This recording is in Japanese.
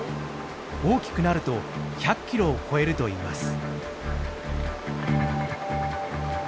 大きくなると１００キロを超えるといいます。